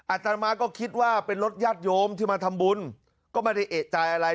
อาจารย์มาก็คิดว่าเป็นรถญาติโยมที่มาทำบุญก็ไม่ได้เอกใจอะไร